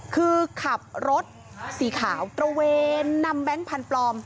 คือขับรถสีขาวตระเวนนำแบงค์พันธุ์ปลอม